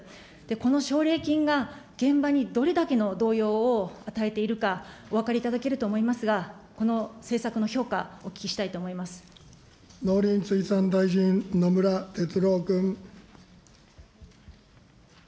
この奨励金が、現場にどれだけの動揺を与えているかお分かりいただけると思いますが、この政策の評価、農林水産大臣、野村哲郎君。